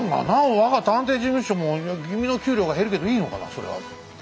我が探偵事務所も君の給料が減るけどいいのかなそれは。え？